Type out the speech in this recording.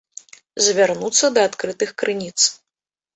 Звярнуцца да адкрытых крыніц.